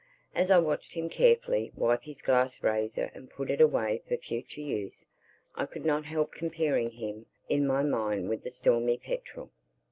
As I watched him carefully wipe his glass razor and put it away for future use, I could not help comparing him in my mind with the Stormy Petrel.